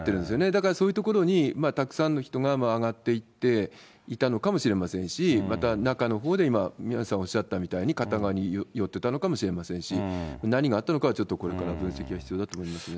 だからそういう所にたくさんの人が上がっていたのかもしれませんし、また、中のほうで今、宮根さんおっしゃったように、片側に寄ってたのかもしれませんし、何があったのかは、ちょっとこれから分析が必要だと思いますね。